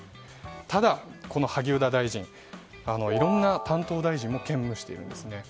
ただ萩生田大臣いろんな担当大臣も兼務しているんです。